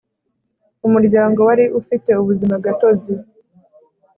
Umuryango wari ufite ubuzimagatozi